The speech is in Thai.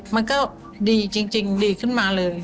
มันก็ดีจริงดีขึ้นมาเลย